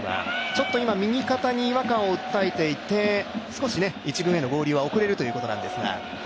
ちょっと今、右肩に違和感を訴えていて少し１軍への合流は遅れるということなんですが。